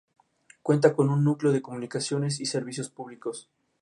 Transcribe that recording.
Cuenta con un núcleo de comunicaciones y servicios públicos.